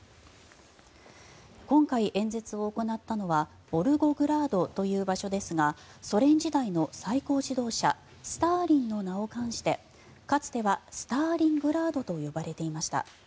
今回、演説を行ったのはボルゴグラードという場所ですがソ連時代の最高指導者スターリンの名を冠してかつてはスターリングラードと呼ばれていました。